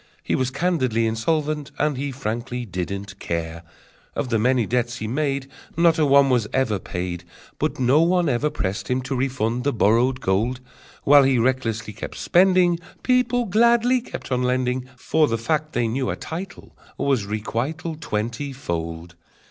He Was candidly insolvent, and he frankly didn't care! Of the many debts he made Not a one was ever paid, But no one ever pressed him to refund the borrowed gold: While he recklessly kept spending, People gladly kept on lending, For the fact they knew a title Was requital Twenty fold!